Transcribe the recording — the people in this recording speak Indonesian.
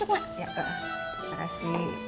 ya tolong terima kasih